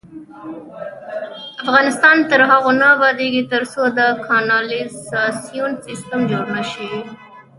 افغانستان تر هغو نه ابادیږي، ترڅو د کانالیزاسیون سیستم جوړ نشي.